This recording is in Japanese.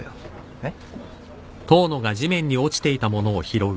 えっ？